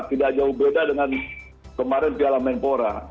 tidak jauh beda dengan kemarin piala menpora